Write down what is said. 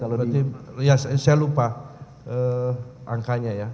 berarti ya saya lupa angkanya ya